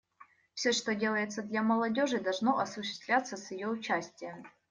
Все, что делается для молодежи, должно осуществляться с ее участием.